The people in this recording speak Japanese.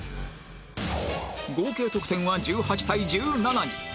合計得点は１８対１７に